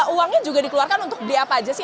uangnya juga dikeluarkan untuk beli apa aja sih